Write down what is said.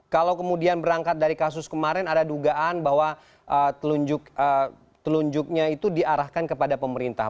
kalau kemudian berangkat dari kasus kemarin ada dugaan bahwa telunjuknya itu diarahkan kepada pemerintah